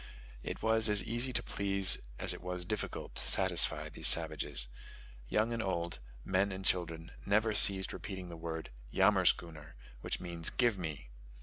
It was as easy to please as it was difficult to satisfy these savages. Young and old, men and children, never ceased repeating the word "yammerschooner," which means "give me."